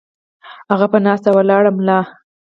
هغه پۀ ناسته ولاړه ملا